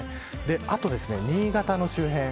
あと新潟の周辺